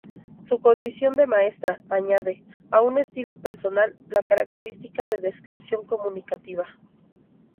Su condición de maestra añade, a un estilo personal, la característica de descripción comunicativa.